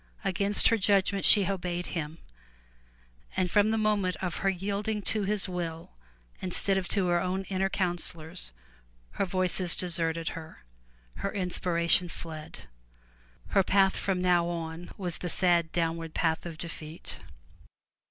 Against her judgment she obeyed him, and from the moment of her yielding to his will, instead of to her own inner counsellors, her Voices deserted her; her inspiration fled. Her path from now on was the sad downward path of defeat.